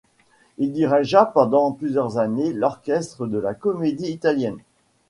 Il dirigea pendant plusieurs années l’orchestre de la Comédie-Italienne.